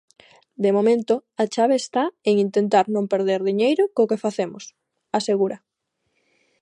De momento, a chave está en "intentar non perder diñeiro co que facemos", asegura.